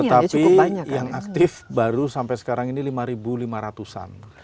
tetapi yang aktif baru sampai sekarang ini lima lima ratus an